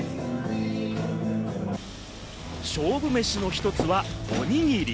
勝負飯の１つはおにぎり。